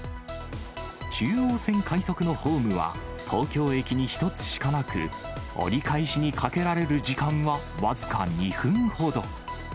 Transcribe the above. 中央線快速のホームは東京駅に１つしかなく、折り返しにかけられる時間は僅か２分ほど。